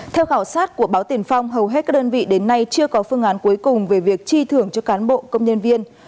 theo khảo sát của báo tiền phong hầu hết các đơn vị đến nay chưa có phương án cuối cùng về việc chi thưởng cho cán bộ công nhân viên